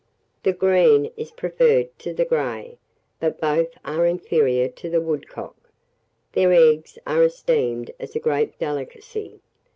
The green is preferred to the grey, but both are inferior to the woodcock. Their eggs are esteemed as a great delicacy.